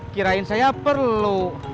kirain saya perlu